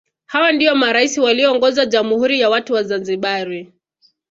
Hao ndio marais walioongoza Jamhuri ya watu wa Zanzibar